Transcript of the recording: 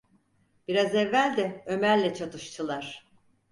Biraz evvel de Ömer’le çatıştılar!